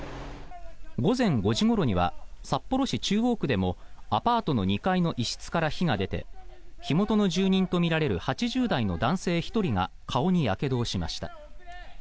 午前５時ごろには札幌市中央区でもアパートの２階の一室から火が出て火元の住人とみられる８０代の男性１人が顔にやけどをしました。